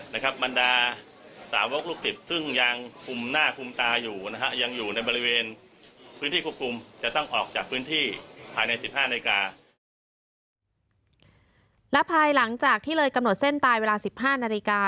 และภายหลังจากที่เลยกำหนดเส้นตายเวลา๑๕นาฬิกา